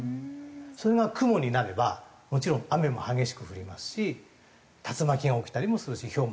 それが雲になればもちろん雨も激しく降りますし竜巻が起きたりもするしひょうも降ったりする。